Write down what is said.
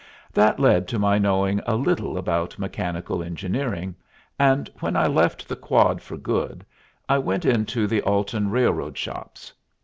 That led to my knowing a little about mechanical engineering, and when I left the "quad" for good I went into the Alton Railroad shops.